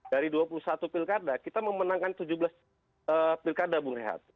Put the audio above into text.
dari dua puluh satu pilkada kita memenangkan tujuh belas pilkada bung rehat